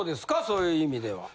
そういう意味では。